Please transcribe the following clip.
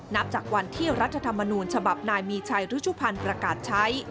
นับจากวันที่รัฐธรรมนูญฉบับนายมีชัยรุชุพันธ์ประกาศใช้